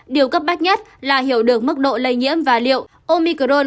điều cấp bách nhất là hiểu được mức độ lây nhiễm và liệu omicron